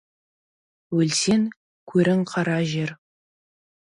Өлсең, көрің қара жер!